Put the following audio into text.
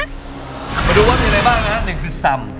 มาดูว่าสิ่งไรบ้างนะ๑คือสำ